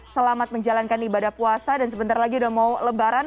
selamat menjalankan ibadah puasa dan sebentar lagi udah mau lebaran